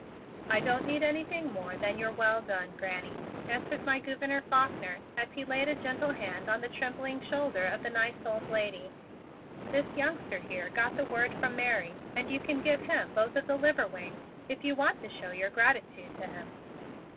"I don't need anything more than your 'well done,' Granny," answered my Gouverneur Faulkner as he laid a gentle hand on the trembling shoulder of the nice old lady. "This youngster here got the word from Mary and you can give him both of the liver wings if you want to show your gratitude to him."